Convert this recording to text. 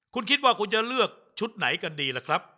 คุณคิดว่าคุณจะเลือกชุดไหนกันดีล่ะครับ